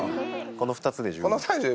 この２つで十分。